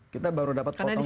kita baru dapat potongan